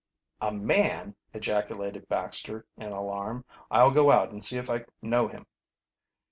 "A man!" ejaculated Baxter, in alarm. "I'll go out and see if I know him."